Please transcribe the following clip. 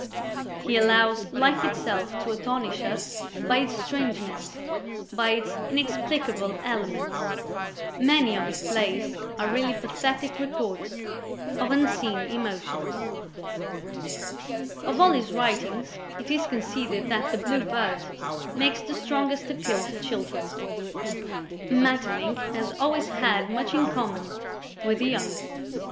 He allows life itself to astonish us by its strangeness, by its inexplicable elements. Many of his plays are really pathetic records of unseen emotions. Of all his writings, it is conceded that "The Blue Bird" makes the strongest appeal to children. Maeterlinck has always had much in common with the young.